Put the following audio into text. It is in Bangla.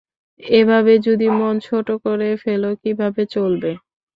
এভাবে যদি মন ছোট করে ফেলো কিভাবে চলবে?